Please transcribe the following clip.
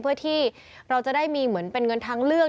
เพื่อที่เราจะได้มีเหมือนเป็นเงินทางเลือก